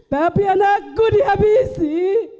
tapi anakku dihabisi